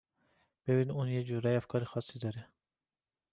ببین اون یه جورایی افکار خاصی داره